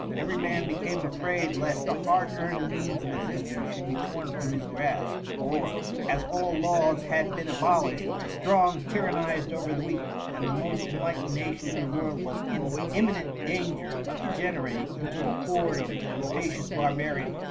Every man became afraid lest the hard earned means of existence should be torn from his grasp ; for, as all laws had been abolished, the THE MtTMMT. 7 Strong tyrannized over the weak^ and the voost enlightened nation in the irorld was in imiid* nent danger of degenerating into a horde <tf rapacious barbarians.